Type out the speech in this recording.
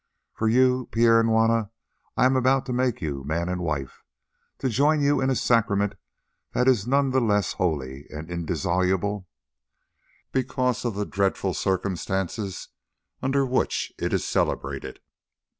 For you, Pierre and Juanna, I am about to make you man and wife, to join you in a sacrament that is none the less holy and indissoluble because of the dreadful circumstances under which it is celebrated.